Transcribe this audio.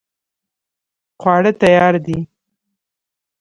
خواړه تیار دي